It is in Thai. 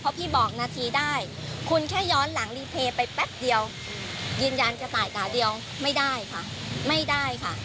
เพราะพี่บอกนาทีได้คุณแค่ย้อนหลังรีเพย์ไปแป๊บเดียวยืนยันกระต่ายด่าเดียวไม่ได้ค่ะไม่ได้ค่ะ